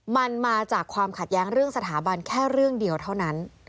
มันมาจากความขัดแย้งเรื่องสถาบันแค่เรื่องเดียวเท่านั้น